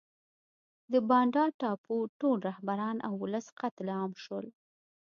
د بانډا ټاپو ټول رهبران او ولس قتل عام شول.